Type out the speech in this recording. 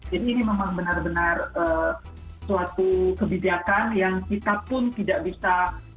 jadi ini memang benar benar suatu kebijakan yang kita pun tidak bisa